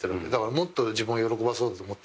もっと自分を喜ばそうと思って。